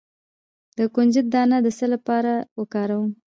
د کنجد دانه د څه لپاره وکاروم؟